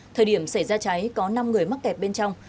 thời điểm xảy ra cháy có năm người mắc kẹt bên trong